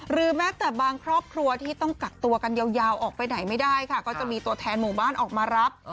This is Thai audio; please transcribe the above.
แม้แต่บางครอบครัวที่ต้องกักตัวกันยาวออกไปไหนไม่ได้ค่ะก็จะมีตัวแทนหมู่บ้านออกมารับ